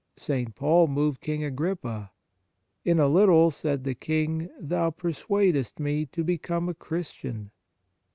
St. Paul moved King Agrippa. " In a little," said the King, " thou persuadest me to become a Christian."